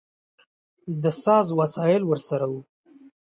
د ساز وسایل یې ورسره و.